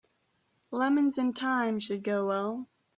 Lemons and thyme should go well.